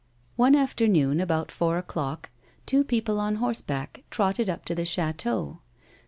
One afternoon, about four o'clock, two people on horse back trotted up to the chateau.